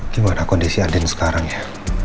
gimana kondisi adin sekarang ya